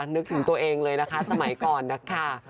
นึกถึงตัวเองเลยนะคะสมัยก่อนนะคะ